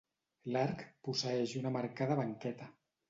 L'arc posseeix una marcada banqueta.